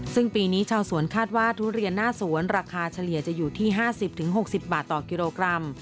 ซึ่งปีนี้ชาวสวนคาดว่าทุเรียนหน้าสวนราคาเฉลี่ยจะอยู่ที่๕๐๖๐บาทต่อกิโลกรัม